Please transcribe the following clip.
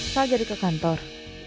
sal jadi ke kantor